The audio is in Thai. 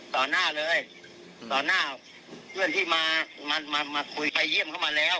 หน้าเลยต่อหน้าเพื่อนที่มามาคุยไปเยี่ยมเขามาแล้ว